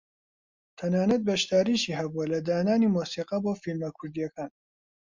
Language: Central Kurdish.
تەنانەت بەشداریشی هەبووە لە دانانی مۆسیقا بۆ فیلمە کوردییەکان